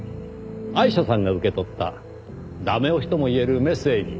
アイシャさんが受け取った駄目押しともいえるメッセージ。